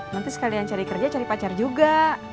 nanti sekalian cari kerja cari pacar juga